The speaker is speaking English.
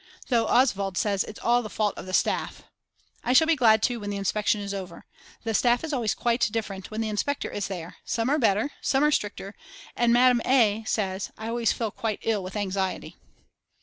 Though Oswald says it's all the fault of the staff. I shall be glad too when the inspection is over. The staff is always quite different when the inspector is there, some are better, some are stricter, and Mme. A. says: I always feel quite ill with anxiety.